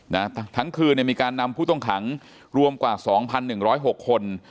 นะทั้งคืนเนี่ยมีการนำผู้ต้องขังรวมกว่าสองพันหนึ่งร้อยหกคน